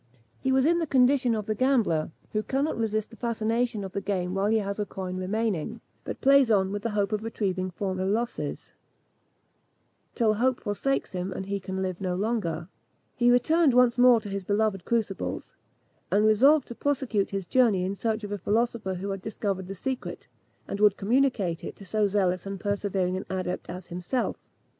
He was in the condition of the gambler, who cannot resist the fascination of the game while he has a coin remaining, but plays on with the hope of retrieving former losses, till hope forsakes him, and he can live no longer. He returned once more to his beloved crucibles, and resolved to prosecute his journey in search of a philosopher who had discovered the secret, and would communicate it to so zealous and persevering an adept as himself.